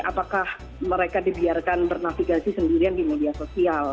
apakah mereka dibiarkan bernavigasi sendirian di media sosial